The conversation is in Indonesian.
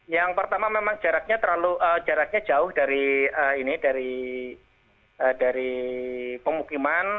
yang pertama memang jaraknya jauh dari pemukiman